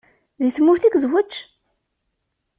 Deg tmurt i yezweǧ?